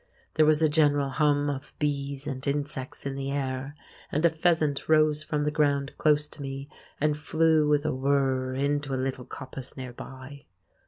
There was a general hum of bees and insects in the air, and a pheasant rose from the ground close to me and flew with a whirr into a little coppice near by.